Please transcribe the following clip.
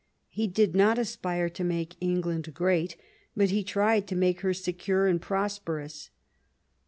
He did not aspire to make England great, but he tried to make her secure and prosperous.